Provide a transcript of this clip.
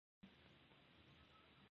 رومیان د انسان خولې ته خوند راولي